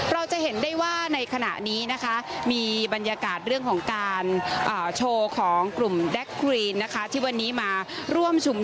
เราจะเห็นได้ว่าในขณะนี้นะคะมีบรรยากาศเรื่องของการ